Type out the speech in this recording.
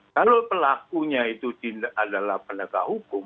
kalau pelakunya itu tidak adalah pendekat hukum